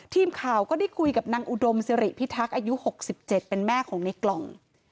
ทีมข่าวก็ได้คุยกับนางอุดมสิริพิทักษ์อายุ๖๗เป็นแม่ของในกล่อง